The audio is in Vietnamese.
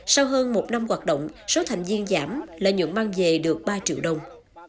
sau hơn một năm hoạt động số thành viên giảm là nhuận mang về được ba triệu đồng